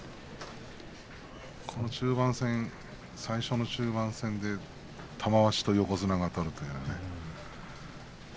この中盤戦、最初の中盤戦で玉鷲と横綱が取るというね。